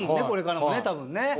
これからもね多分ね。